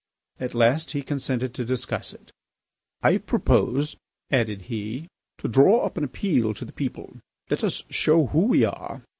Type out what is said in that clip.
At last he consented to discuss it. "I propose," added he, "to draw up an appeal to the people. Let us show who we are.